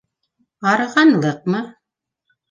Арығанлыҡмы?